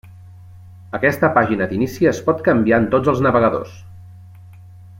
Aquesta pàgina d'inici es pot canviar en tots els navegadors.